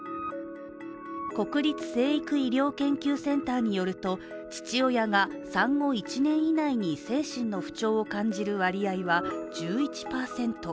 国立成育医療研究センターによると、父親が産後１年以内に精神の不調を感じる割合は１１％。